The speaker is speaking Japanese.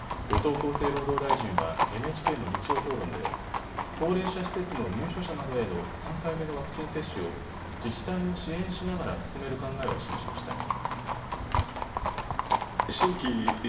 後藤厚生労働大臣はＮＨＫの日曜討論で高齢者施設の入所者などへの３回目のワクチン接種を自治体を支援しながら進める考えを示しました。